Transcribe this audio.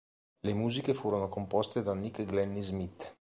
Le musiche furono composte da Nick Glennie-Smith.